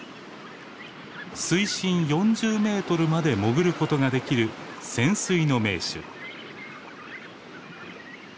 水深４０メートルまで潜ることができる潜水の名手。